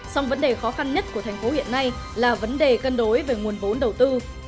song vấn đề khó khăn nhất của thành phố hiện nay là vấn đề cân đối về nguồn vốn đầu tư